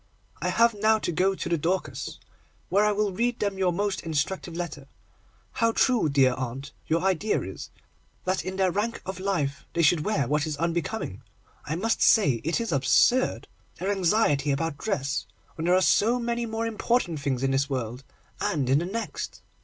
I have now to go to the Dorcas, where I will read them your most instructive letter. How true, dear aunt, your idea is, that in their rank of life they should wear what is unbecoming. I must say it is absurd, their anxiety about dress, when there are so many more important things in this world, and in the next.